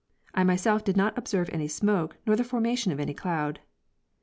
I myself did not observe any smoke'nor the formation of any cloud.